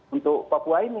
untuk papua ini